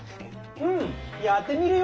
うんやってみるよ！